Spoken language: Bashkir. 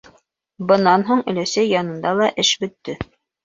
Бынан һуң өләсәй янында ла эш бөттө.